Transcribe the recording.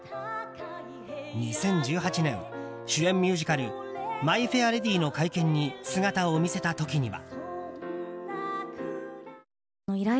２０１８年、主演ミュージカル「マイ・フェア・レディ」の会見に姿を見せた時には。